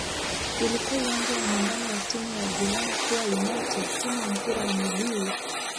Ulikuwa uwanja wa nyumbani wa timu ya "Garankuwa United" timu ya mpira wa miguu.